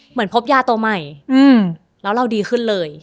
เหมือนพบยาตัวใหม่แล้วเราดีขึ้นเลย